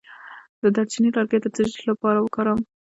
د دارچینی لرګی د څه لپاره وکاروم؟